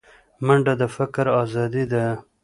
منډه د فکر ازادي ده